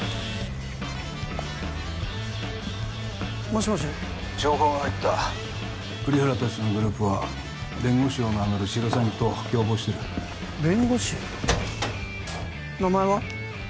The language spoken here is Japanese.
もしもし☎情報が入った栗原達のグループは弁護士を名乗るシロサギと共謀してる弁護士名前は？